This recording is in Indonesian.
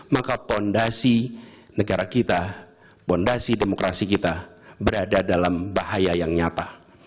maka fondasi negara kita fondasi demokrasi kita berada dalam bahaya yang nyata